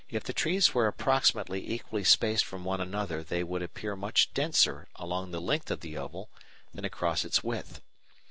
If the trees were approximately equally spaced from one another they would appear much denser along the length of the oval than across its width.